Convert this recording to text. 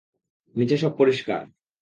নিচে সব পরিষ্কার।